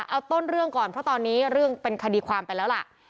เอาต้นเรื่องก่อนเพราะตอนนี้เรื่องเป็นคดีความไปแล้วล่ะ